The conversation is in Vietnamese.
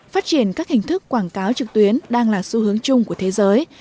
phát triển các hình thức quảng cáo trực tuyến đang là xu hướng chung của thế giới